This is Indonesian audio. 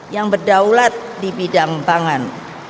yang berdaulat di bidang pangan